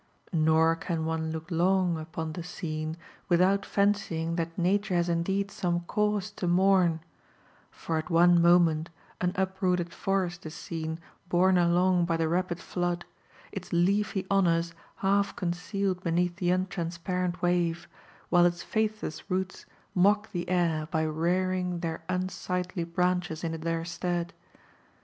Nor can one look long upon 1 t LIFE AND ADVENTURES OF the scene without fancying that Nature has indeed some cause to mourn ; for at one moment an uprooted forest is seen borne along by the rapid flood, its leafy honours half concealed beneath the untransparent wave, while its faithless roots mock the air by rearing their unsightly branches in their stead.